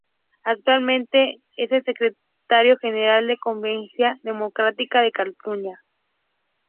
Actualmente es el secretario general de Convergencia Democrática de Cataluña.